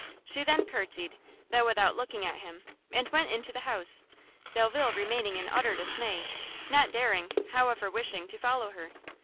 She then courtsied, though without looking at him, and went into the house; Delvile remaining in utter dismay, not daring, however wishing, to follow her.